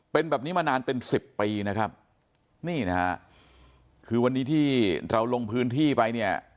เป็นแบบนี้มานานเป็นสิบปีนะครับนี่นะฮะคือวันนี้ที่เราลงพื้นที่ไปเนี่ย